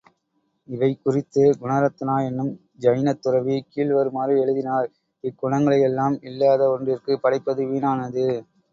இவை குறித்து குணரத்னா என்னும் ஜைனத் துறவி கீழ் வருமாறு எழுதினார் இக்குணங்களையெல்லாம் இல்லாத ஒன்றிற்குப் படைப்பது வீணானது.